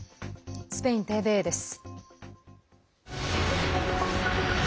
スペインＴＶＥです。